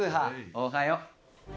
おはよう。